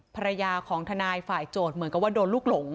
ภรรยาของทนายฝ่ายโจทย์เหมือนกับว่าโดนลูกหลง